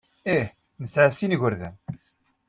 Ih, nesɛa sin n yigerdan.